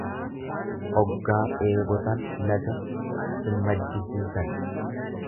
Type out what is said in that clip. Oggaa dheebotan laga hin maddisiisan.